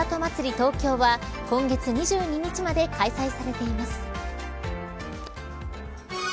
東京は今月２２日まで開催されています。